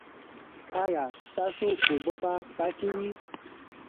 ایا ستاسو اوبه به پاکې وي؟